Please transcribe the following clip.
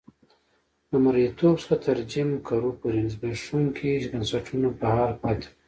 له مریتوب څخه تر جیم کرو پورې زبېښونکي بنسټونه په حال پاتې وو.